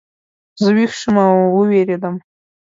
زه ویښ شوم او ووېرېدم.